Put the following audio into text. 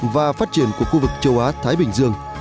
và phát triển của khu vực châu á thái bình dương